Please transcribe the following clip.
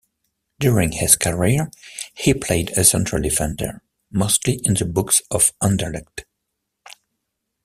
During his career he played as central defender, mostly in the books of Anderlecht.